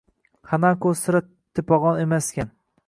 Xanako sira tepag`on emaskan